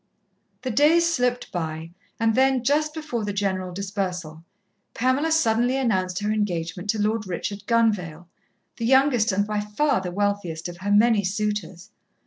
The days slipped by, and then, just before the general dispersal, Pamela suddenly announced her engagement to Lord Richard Gunvale, the youngest and by far the wealthiest of her many suitors.